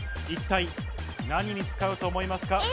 一体何に使うと思いますか？